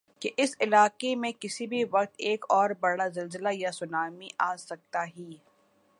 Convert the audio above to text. کہ اس علاقی میں کسی بھی وقت ایک اوربڑا زلزلہ یاسونامی آسکتا ہی۔